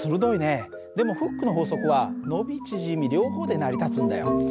でもフックの法則は伸び縮み両方で成り立つんだよ。